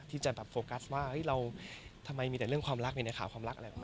ที่จะโฟกัสว่าเราทำไมมีแต่เรื่องความรักในข่าวความรัก